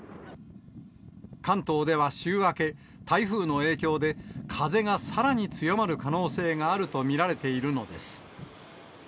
関東では週明け、台風の影響で、風がさらに強まる可能性があると見られているのです。